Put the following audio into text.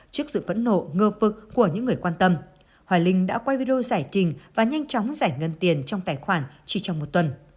trước sự phẫn nộ ngơ vực của những người quan tâm hoài linh đã quay video giải trình và nhanh chóng giải ngân tiền trong tài khoản chỉ trong một tuần